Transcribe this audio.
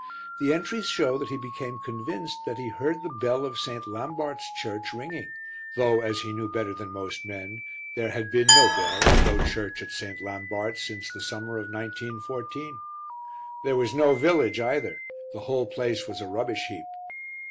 The entries show that he became convinced that he heard the bell of St. Lambart's Church ringing, though (as he knew better than most men) there had been no bell and no church at St. Lambart's since the summer of 1914. There was no village either the whole place was a rubbish heap.